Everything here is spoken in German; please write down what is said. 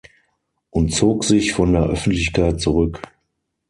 Und zog sich von der Öffentlichkeit zurück.